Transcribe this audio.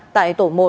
tại tổ một